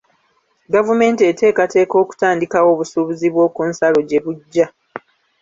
Gavumenti eteekateeka okutandikawo obusuubuzi bw'oku nsalo gye bujja.